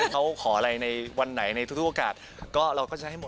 เขาขออะไรในวันไหนในทุกโอกาสก็เราก็จะให้หมด